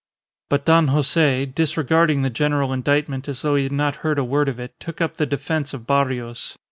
But Don Jose, disregarding the general indictment as though he had not heard a word of it, took up the defence of Barrios.